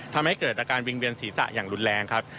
ทำให้เกิดอาการวิ่งเวียนศีรษะอย่างรุนแรงครับ